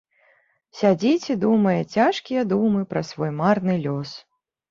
Сядзіць і думае цяжкія думы пра свой марны лёс.